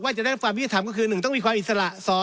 ว่าจะได้ความวิทยาศาสตร์ก็คือ๑ต้องมีความอิสระ